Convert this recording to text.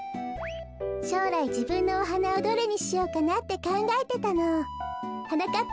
しょうらいじぶんのおはなをどれにしようかなってかんがえてたの。はなかっ